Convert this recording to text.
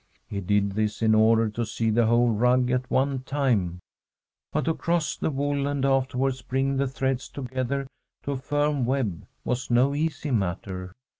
He did this in order to see the whole rug at one time ; but to cross the woof and afterwards bring the threads together to a firm web was no easy matter.